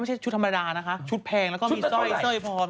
ไม่ใช่ชุดธรรมดานะคะชุดแพงแล้วก็มีสร้อยพร้อม